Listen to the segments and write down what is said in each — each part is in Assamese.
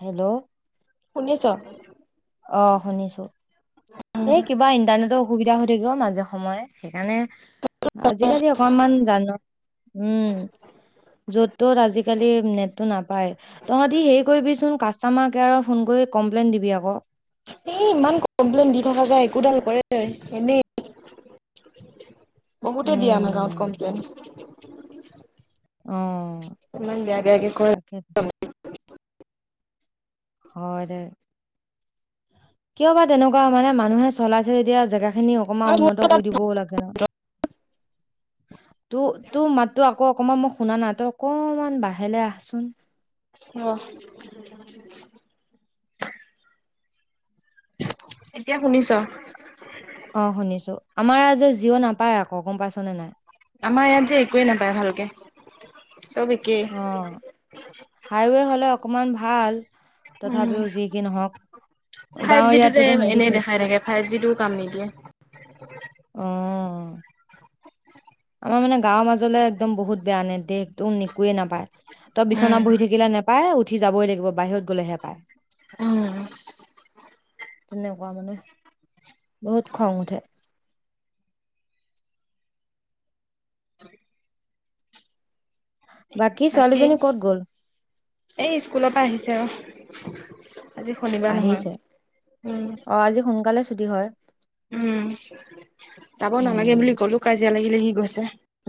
হেল্ল' শুনিছ। অ শুনিছো এই কিবা ইণ্টাৰনেট। অসুবিধা হৈ থাকিব মাজে সময় সেইকাৰণে আজিকালি অকনমান। জানো উম। য'ত ত'ত আজিকালি নেটটো নাপায় তহঁতি হেই কৰিবি চোন কাষ্টমাৰ কেয়াৰৰ ফোন কৰি। কমপ্লেইন দিবি আকৌ। এই ইমান কমপ্লেইন দি থকা যোয় একোডালকৰে এনেই। বহুতে দিয়ে আমাৰ গাঁৱত উম কমপ্লেইন। অ ইমান বেয়া বেয়া কে কয়। তাকে হয় দে কিয় বা তেনেকুৱা মানে মানুহে চলাইছে যেতিয়া জেগা। খিনি অকমান উন্নত কৰি অ দিবও লাগে ন ত তোৰ মাতো। আকৌ অকমান মই শুনা নাই তো অকমান বাহেলৈ আহচোন। আহ। এতিয়া শুনিছ? অ শুনিছো আমাৰ আজ যে জিঅ নাপায় আকৌ গম পাইছনেে নাই। আমাৰ ইয়াত যে একোৱেই নাপায় ভালকে। চব একেই অ হাইৱে হলে অকমান ভাল। উম তথাপিও যি কি নহওক, ফাইভ গাঁও জিটো যে এৰিয়াতটোতো সিহঁতি এনেই সেই দেখাই থাকে ফাইভ জিটোও কাম নিদিয়ে। আহ' তমাৰ মানে গাঁৱৰ মাজলৈ একদম বহুত বেয়া নে দেহ একদম ন একুয়ে নাপায় তই বিচনা উম বহি থাকিলে নাপায়। পায় উঠি যাবই লাগিব বাহিৰত গ'লেহে পায়। উম তেনেকুৱা মানে বহুত খং উঠে উ বাকী এ স্কুলৰ পৰা আহিছে আৰু আজি শনিবাৰ নহয় আহিছে উম অ আজি সোনকালে ছুটি হয় উম যাব উম নালাগে বুলি গলো কাজিয়া লাগিলাগি গৈছে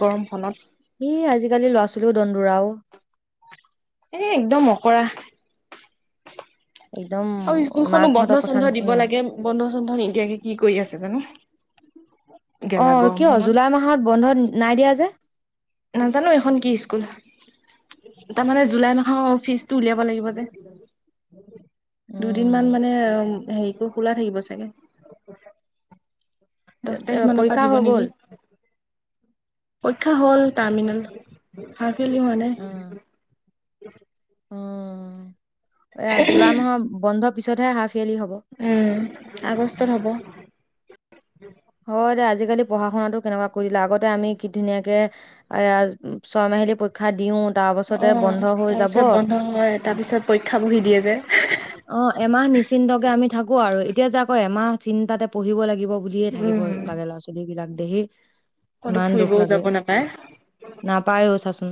গৰমখনত স আজিকালি ল'ৰা ছোৱালীও দনদুয়া এ একদম অকৰা একদম আৰু স্কুলখনো মাকহঁতৰ বন্ধ কথা চধ দিব নুশুনে লাগে বন্ধ চধ নিদিয়াকে কি কৰি আছে জানো অ গেলা কিয় গৰমখনত জুলাই মাহত বন্ধ নাই দিয়া যে নাজানো এখন কি স্কুল তাৰমানানে জুলাই মখৰ ফিজটো উলিয়াব লাগিব যে দুদিন উম মান মানে হেৰিকো খোলা থাকিব চাগে দহ তাৰিখ মানৰ পৰা পৰীক্ষা হৈ দিব গ'ল নেকি পৰীক্ষা হ'ল টাৰ্মিনেল হাৰফেলি মানে উ এ জুলাই মাহৰ বন্ধ পিছতহে হাফ ইয়াৰলি হ'ব। উম আগষ্টত হ'ব হয় আজি আজিকালি পঢ়া শুনাাতো কেনেকুৱা কৰি দিলে আগতে আমি কি ধুনীয়াকে এ ছয় মাহিলী পৰীক্ষা দিওঁও অ তাৰপিছত বন্ধ হয় তাৰ পিছত পৰীক্ষা বহি দিয়ে যে অ এমাহ নিশ্চিন্তকে আমি থাকো আৰু এতিয়া যে আকৌ এমাহ চিন্তাতে পঢ়িব লাগিব বুলিয়ে থাকিব উম লাগে ল'ৰা ছোৱালী বিলাক দেহি ক'তো ইমান দুখ ফুৰিবও লাগে যাব নাপায় নাপায়ও চাচোন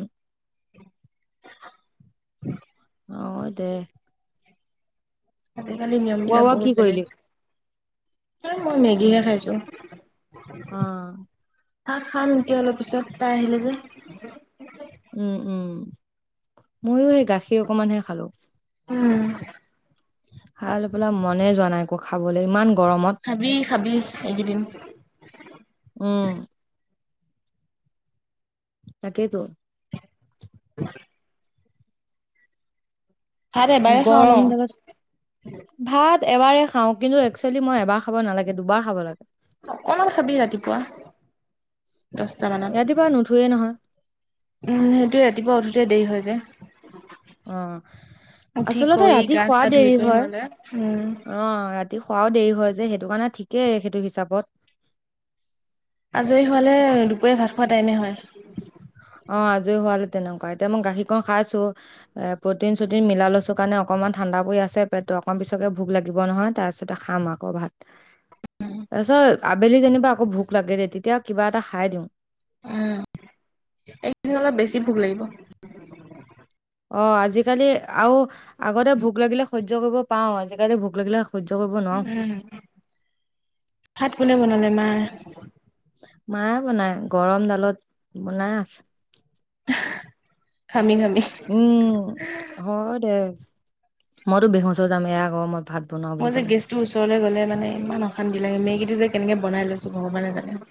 অ অ দে আজিকালি খোৱা নিয়মিলা বোৱা কি বহুত বেলেগ কৰিলি? মই উম, মেগীহে খাইছো অ', খাক খান একি অলপ পিছত তাই আহিলে যে উম উম ময়ো সেই গাখীৰ অকমানহে খালো উম খাই লৈ পেলা মনে যোৱা নাই আ একৌ খাবলৈ ইমান গৰমত ভাবি খাবি এইকেইদিন উম। তাকেই তোৰ হয় ভাত এবাৰে খাওঁ ন গৰম জালত ভাত এবাৰে খাওঁ কিন্তু একচুৱেলি মই এবাৰ খাব নালাগে দুবাৰ খাব লাগে অকমান খাবি ৰাতিপুৱা দহটা ৰাতিপুৱা নুঠোৱেই মানত নহয় উম সেইটোৱে ৰাতিপুৱা উঠোতে দেৰি হৈ যায় আহ উঠি আচলতে কৰি ৰাতি গা খুৱা চা ধুই দেৰি কৰি হয় হ'লে উম অ ৰাতি ৰাতি খোৱাও দেৰি হয় যে সেইটো কাৰণে ঠিকেই সেইটো হিচাপত আজৰি হোৱালে দুপৰীয়া ভাত খোৱা টাইমে হয় অ আজৰি হোৱালে তেনেকুৱা এতিয়া মই গাখীৰ খ খাইছো এ প্ৰটিন চটিন মিলা লৈছো কাৰণে অকনমান ঠাণ্ডা পৰি আছে পেটটো আকৌ পিছতে ভোক লাগিব নহয় তাৰপিছতে খাম আকৌ ভাত তাৰপিছত আবেলি যেনিবা আকৌ ভোক লাগে দে তেতিয়া কিবা এটা খাই দিওঁ উম এইকেইদিন অলপ বেছি ভোক লাগিব অ আজিকালি আৰু আগতে ভোক লাগিলে সহ্য কৰিব পাও আজিকালি ভোক লাগিলে সহ্য কৰিব নোৱাৰো উম ভাত কোনে বনালে মা মায়ে বনাই গৰম ডালত বনাই আছে ঘামি ঘামি উম হয় দে মইতো বেহুচ হৈ যামে আকৌ মই ভাত বনাও মই বুলি যে ক'লে গেছটোৰ ওচৰলৈ গ'লে মানে ইমান অশান্তি লাগে মেকীটো যে কেনেকে বনাই লৈছোঁ ভগৱানে জানে।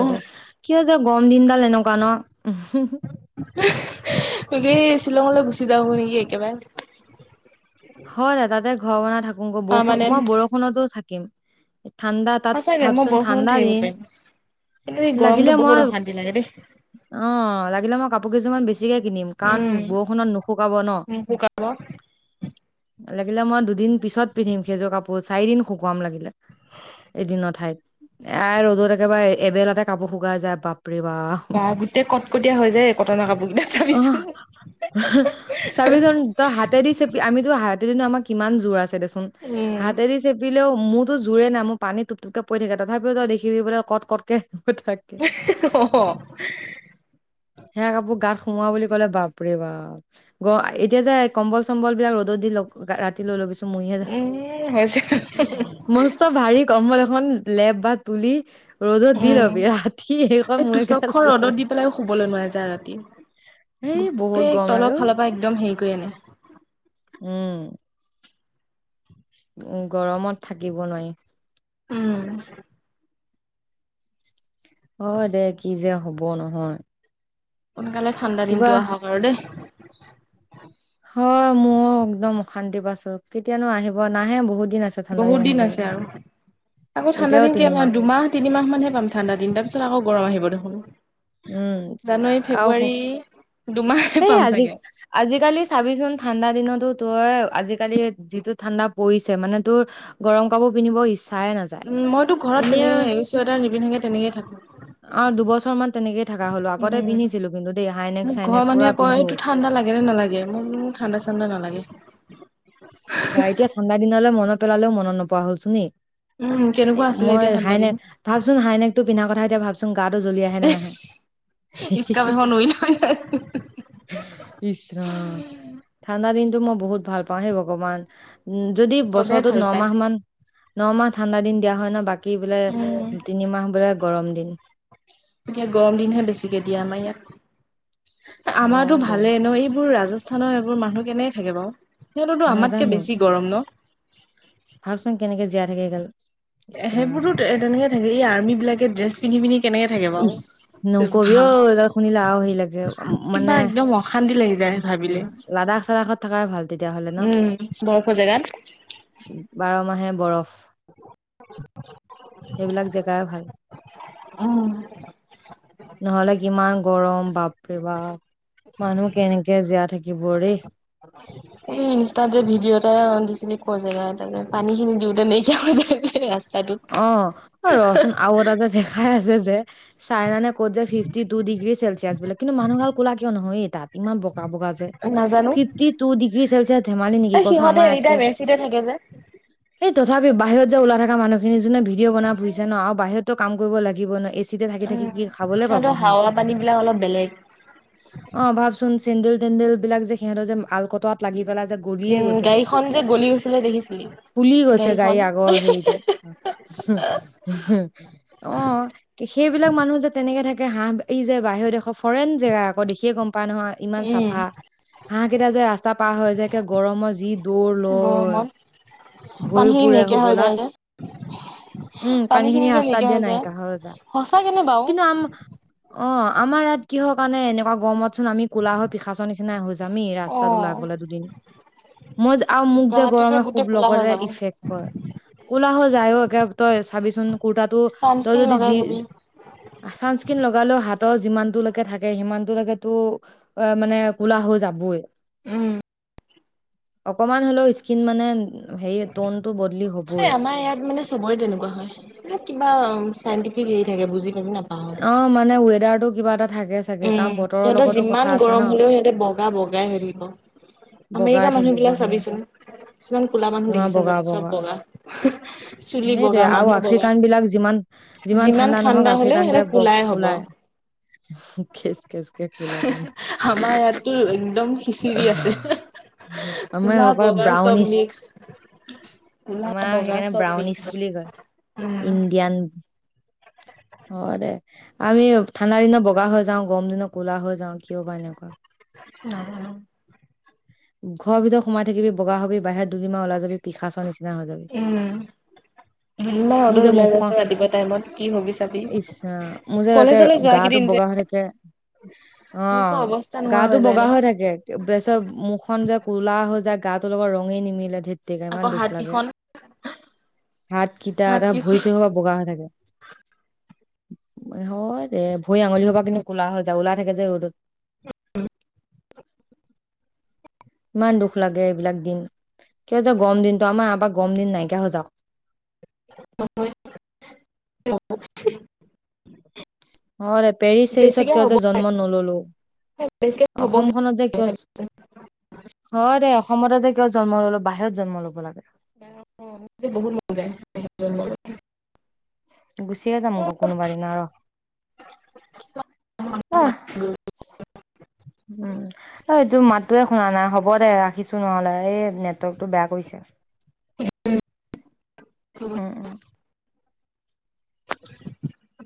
অ দে কি হৈছে গৰম দিনডাল এনেকুৱা ন উ তাকে শ্বিলঙলৈ গুচি য নেকি একেবাৰে। হয় দাদাতে ঘৰ বনাই থাকোৈ বৰষুণ পাৰমানেণ্ট মই বৰষুণতো থাকিম। ঠাণ্ডা তাত সঁচাকে মই ভাবচোন বৰষুণত ঠাণ্ডা থাকিব দিন পাৰিম কিন্তু এই গৰমটো লাগিলে বহুত মই অশান্তি লাগে দেই অ লাগিলে মই কাপ কাপোৰ কেইযুমান বেছিকে কিনিম কাৰণ উম বৰষুণত নুশুকাব ন মোক শুকাব লাগিলে মই দুদিন পিছত পিন্ধিম সেইযোৰ কাপোৰ চাৰিদিন শুকুৱাম লাগিলে এদিনৰ ঠাইত এ ৰ'দত একেবাৰে এবেলাতে কাপোৰ শুকাই যায় বাপ অ গোটেই কটকটীয়া হৈ যায় কটনৰ কাপোৰ কেইটা চাবিচোন চাবিজন ত হাতে দি চ আমিটো হাতেদিনো আমাৰ কিমান জোৰ আছে দেচোন উম হাতেদি চেপিলেও মোৰতো জোৰে নাই মোৰ পানী টোপ টোপকে পৰি থাকে তথাপিও তই দেখিবি বোলে কত কতকে অ সে কাপোৰ গাত সোমোৱা বুলি ক'লে বাপৰে বাপ গ এতিয়া যে কম্বল চম্বল বিলাক ৰ'দত দি ৰাতিলৈ ল'বিছো মইহে য উম হৈছে ম্ত ভাৰী কম্বল এখন লেপ বা তুলি ৰ'দত দি উম লবি ৰাতি সেই কন মই ক যা ৰাতি গোটেই গৰম লাগে তলৰ অ ফালৰ পৰা একদম হেৰি কৰি আনে উম উ গৰমত থাকিব নোৱাৰি উম হয় দে কি যে হব নহয় সোনকালে ঠাণ্ডা কিবা দিনতটো আহক আৰু দেই হয় মোৰ একদম অশান্তি পাইছো কেতিয়ানো আহিব নাহে বহুত দিন আছে ঠাণ্ডা বহুত দিন আহিবলৈ আছে। আৰু আকৌ ঠাণ্ডা এতিয়াও দিন ক তিনিমাহ দুমাহ তিনিমাহ মানহে পাম ঠাণ্ডা দিন তাৰপিছত আকৌ গৰম আহিব দেখোন। উম জানুৱাৰী আহ- ফেব্ৰুৱাৰী দুমাহে সেই পাম আজি চাগে আজিকালি চাবিচোন ঠাণ্ডা দিন। তই আজিকালি যিটো ঠাণ্ডা পৰিছে মানে তোৰ গৰম কাপোৰ পিন্ধিব ইচ্ছো উম মইতো ঘৰত তেনেকেৰিছো এটাৰ নিবিনেগে তেনেকয়ে থাকো। আৰু দুবছৰ মান তেনেকে থকা হলো আগতে উম পিন্ধিছিলো কিন্তু দেই হাইনেট মোক চাইনেট ঘৰৰ মানুহে কয় এইটো ঠাণ্ডা লাগে নে নালাগে মোৰ ঠাণ্ডা ঠাণ্ডা নালাগে। বা এতিয়া ঠাণ্ডা দিনলৈ মনত পেলালেও মনত নপোৱা হলছোন নি উম এ কেনেকুৱা আছিলে মই এতিয়া ঠাণ্ডা দিন হাইনেক ভাবচোন হাইনেকটো পিন্ধাৰ কথা এতিয়া ভাবছো। গাটো জ্বলি আহে নে নাহে ইচকাপ এখন উৰি লৈ বিছৰা ঠাণ্ডা দিন। মই বহুত ভাল পাওঁ সেই ভগৱান উ যদি চবে বছৰটোত ভাল ন পায় মাহ মান। ন মাহ ঠাণ্ডা দিন দিয়া হয় ন বাকী বোলে উম তিনিমাহ বোলে গৰম দিন এতিয়া গৰম দিনহে বেছিকে দিয়া আমাৰ ইয়াত আমাৰতো হয় দে ভালেই ন এইবোৰ ৰাজস্থানৰ এইবোৰ মানুহ কেনে থাকে। বাৰু সিহঁততো আমাতকে বেছি গৰম ন ভকচোন কেনেকে জীয়াই থাকে গাল সেইবোৰতো তেনেকে থাকে এই আৰ্মি বিলাকে ড্ৰেছ পিন্ধি পিনি কেনেকে থাকে বাৰু ন কবিও বা এইবাল শুন লাও হেই লাগে কিবা মানে। একদম অশান্তি লাগি যায় ভাবিলে। ৰাাক চালখত থকাই ভাল তেতিয়াাহলে ন উম, বৰফৰ জেগাত। বাৰ মাহে বৰফ সেইবিলাক জেগাই ভাল। উম, নহলে কিমান গৰম বাপৰে বাৰে বাপ। মানুহ কেনেকে জীয়া থাকিব ৰেই। এই ইনষ্টাতে ভিডিঅ' এটটা দিছিলি ক জেগা তে পানী খিনি দিওঁতে নাইকিয়া হৈ। ৰাস্তাটোত। অ ৰচোন আৰু এটা যে দেখাই আছে যে, চাইনানে ক'ত যে ফিফটি টু ডিগ্ৰী চেলচিয়ছ বোলে কিন্তু মানুহ ভাল কুলা কিয় নহয় এই তাত ইমান ব বগা যে নাজানো ফিফটি টু ডিগ্ৰী চেলচিয়াছ ধেমালি নেকি কচোন আমাৰ ইয়াতকে য এই তথাপি বাহিৰত যে ওলাই থকা মানুহখিনি যোনে ভিডিঅ' বনাই ফুৰিছে ন বাহিৰতটো কাম কৰিব লাগিব নহ চিতে থাকি থাকি উম, কি খাবলে পাব সিহঁতৰ সিহতি। হাৱা পানী বিলাক অলপ বেলেগ। অ ভাবচোন চেন্দেল তেন্দেল বিলাক যে সিহঁতৰ যে আল কটোৱাত লাগিব। পেলা যে গলিয়ে উম, গৈছে গৈ গাড়ীখন যে গলি গৈছিলে দেখিছিলি ফুলি গৈছে গাড়ী গাড়ীখন। আগৰ হেৰিটো। অ সেইবিলাক মানুহ যে তেনে সেনেকে থাকে হাঁহ ই যে বাহিৰৰ দেশৰ ফৰেইন জেগা আকৌ দেখিয়ে গম পায় নহয় ইমান উম। চাফা। হাঁহ কেইটা যে ৰাস্তা পাৰ হৈ যেে গৰমত যি দৌৰ লয়। গৰমত পানী ভৰি খিনি পুৰে নাইকিয় হৈ হ'বলা যায় যে। উম পানী খিনি ৰাস্তাত দিয়া নাইকিয়া হৈ হৈ যায়, সঁচাকে নে বাৰু কিন্তু আম অ আম আমাৰ ইয়াত কিহৰ কাৰণে এনেকুৱা গৰমত। কচোন আমি কোলা পিখাচৰ নিচিনা হৈ যামি ৰাস্তাত অ', ওলাই গ'লে দুদিন। মই আৰু মোক যে গাটো গৰমে খুব গোটেই ক'লা হৈ লগতে যাব। ইফেক্ট কৰে। ক'লা হৈ যায় অ একে তই চাবিচোন কুৰ্তাটো তই চানস্ক্ৰীন যদি লগাই যি যাবি। ছানস্কিন লগালো হাতত। যিমান লৈকে থাকে সিমান লৈকেতো অ মানে কোলা হৈ যাবই। উম! অকমান হ'লেও স্কিন মানে হে টনটো বদলি এই হ'বই। আমাৰ ইয়াত মানে চবৰে তেনেকুৱা হয় ম কিবা এ চাইণ্টিফিক হেৰি থাকে বুজি। পাজি অ মানে ৱেডাৰটো কিবা এটা থাকে চাগে উম কাৰণ বতৰৰ সিহঁতৰ লগতো কথা যিমান আছে ন গৰম হলেও সিহঁতে বগা বগাই হৈ থাকিব। বগাই আমেৰিকা মানুহ থাকিব বিলাক সেনেকুৱা চাবিচোন। কিছুমান কুলা মানুহ নোৱা দেখিছ বগা জানো চব বগা, চুলি বগা, সেইটোয়ে আৰু মানুহ বগা। আফ্ৰিকান বিলাক যিমান যিমান ঠাণ্ডা নহওক হ'লেও আফ্ৰিকান সিহঁতে বিলাক ব কোলাই হ'ব। ওলাই। খেচ খেচ কে কুলা কিন্তু। আমাৰ ইয়াততো একদম খিচিৰি আছে। আমাৰ হ ক'লা পৰা বগা চব ব্ৰাউনিছ মিক্স। ক'লা আমাৰ বগা সেইকাৰণে চব ব্ৰাউনিচ মিক্স। বুলি কয় উম। ইণ্ডিয়ান। হয় দে আমি ঠাণ্ডা দিনত বগা হৈ যাওঁ গৰম দিনত ক'লা হৈ যাওঁ। কিয় বা এনেকুৱা। অ ঘৰৰ ভিতৰত সোমাই থাকিবি বগা হবি বাহিৰত দুদিন মাহ ওলাই যাবি পিখা চৰ নিচিনা হৈ উম, যাবি। দুদিনমান ৰ'দত মোৰ যে ওলাই মুখ যাচোন ৰাতিপুৱা টাইমত কি হবি চাবি। ইচ ৰাম মোৰ যে একে গাটো বগা হৈ থাকিলে হয় [inaudible] অ গাটো বগা হৈ থাকে। বেছৰ মুখখনন যে কোলা হৈ যায় গাটোৰ লগত ৰঙে নিমিলে ধে। তেক ইমান আকৌ দুখ হাত লাগে, কেইখন হাত কেইটা হাত এটা ভৰি কেইখন চৰি হোপা বগা হৈ থাকে। হয় দে ভৰি আঙুলি হ পৰা কিন্তু ক'লা হৈ যায় ওলাই থাকে যে ৰ'দত। উ [inaudible] ইমান দুখ লাগে এইবিলাক দিন। কিয় যে গৰম দিনটো আমাৰ আবাক গম দিন নাইকিয়া হৈ যাওঁক। ম [inaudible] অ দে পেৰিচ চেৰিচত কিয় যে জন্ম নললোঁ। বেছিকে হ'ব বহুত অসমখনত যে কিয়, হয় দে অসমতে যে কিয় জন্ম ললো বাহিৰত জন্ম লব লাগে। মোৰ যে বহুত মন যায় বাহিৰত জন্ম হ'লে। গুচিয়ে যাম গ কোনোবা দিনা ৰ আহ। [unintelligible] উম এই এইটো মাতটোৱে শুনা নাই হ'ব দে ৰাখিছো নহ'লে এই নেটৱৰ্কটো বেয়া কৰিছে। উম। উম উম।